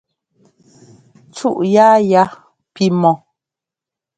Cúʼ yáa ya pí mɔ́.